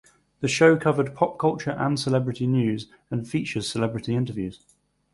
The show covered pop culture and celebrity news and features celebrity interviews.